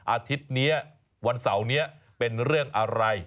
อาทิตย์นี้วันเสาร์นี้เป็นเรื่องอะไร